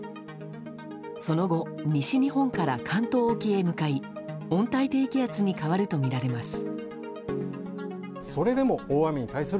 その後西日本から関東沖へ向かい温帯低気圧に変わるとみられます。